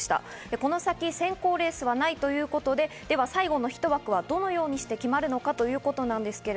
この先、選考レースはないということで、最後のひと枠はどのようにして決まるのかということなんですが。